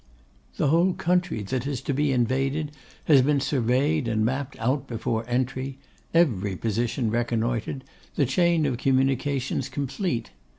The whole country that is to be invaded has been surveyed and mapped out before entry; every position reconnoitred; the chain of communications complete.